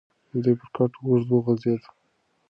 دی پر کټ اوږد وغځېد.